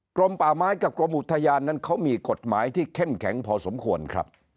กรมป่าไม้กับกรมอุทยานนั้นเขามีกฎหมายที่เข้มแข็งพอสมควรครับ